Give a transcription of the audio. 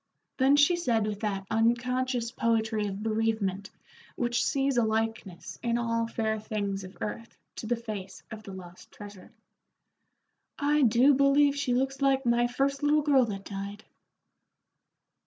Then she said with that unconscious poetry of bereavement which sees a likeness in all fair things of earth to the face of the lost treasure, "I do believe she looks like my first little girl that died."